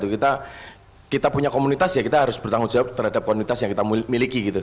kita punya komunitas ya kita harus bertanggung jawab terhadap komunitas yang kita miliki gitu